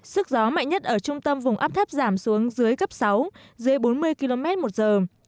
sức gió mạnh nhất ở trung tâm vùng áp thấp giảm xuống dưới cấp sáu dưới bốn mươi km một giờ